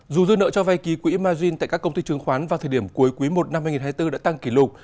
dù dư nợ cho vay ký quỹ margin tại các công ty trường khoán vào thời điểm cuối quý i năm hai nghìn hai mươi bốn đã tăng kỷ lục